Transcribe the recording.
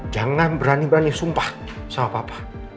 jangan berani berani sumpah sama papa